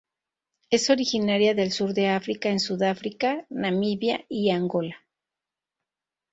Es originaria del sur de África en Sudáfrica, Namibia y Angola.